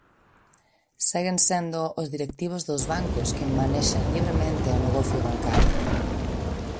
Seguen sendo os directivos dos bancos quen manexan libremente o negocio bancario.